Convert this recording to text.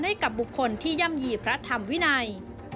ให้กับบุคคลที่ย่ำยี่พระธรรมวินัย